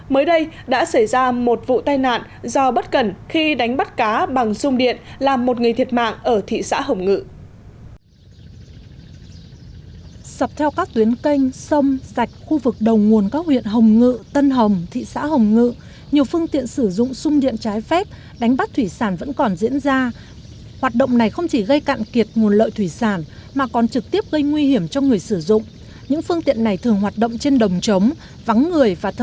mới đây đã xảy ra một vụ tai nạn do bất cần khi đánh bắt cá bằng sông điện làm một người thiệt mạng ở thị xã hồng ngự